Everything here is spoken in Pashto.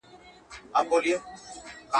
شور به ګډ په شالمار سي د زلمیو.